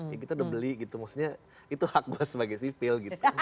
ya kita udah beli gitu maksudnya itu hak gue sebagai sipil gitu